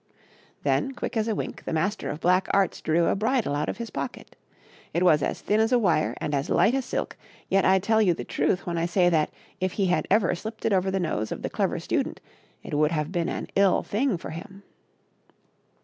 Then, as quick as a wink, the Master of Black Arts drew a bridle out of his pocket. It was as thin as a wire and as light as silk, yet I tell you the truth when I say that if he had ever slipped it over the nose of the Clever Student it would have been an ill thing for him.